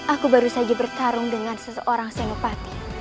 aku baru saja bertarung dengan seseorang senopati